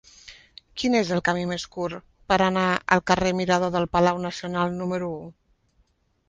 Quin és el camí més curt per anar al carrer Mirador del Palau Nacional número u?